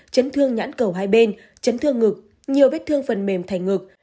chấn thương nhãn cầu hai bên chấn thương ngực nhiều vết thương phần mềm thành ngực